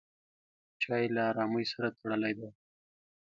چای له ارامۍ سره تړلی دی.